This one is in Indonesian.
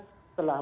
saya ketekan lpen